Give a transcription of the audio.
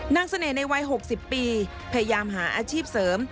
เสน่ห์ในวัย๖๐ปีพยายามหาอาชีพเสริม